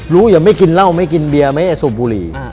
อย่าไม่กินเหล้าไม่กินเบียร์ไม่สูบบุหรี่